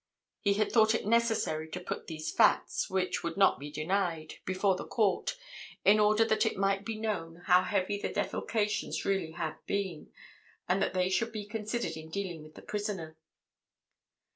He had thought it necessary to put these facts—which would not be denied—before the Court, in order that it might be known how heavy the defalcations really had been, and that they should be considered in dealing with the prisoner.